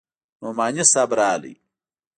نعماني صاحب راغى.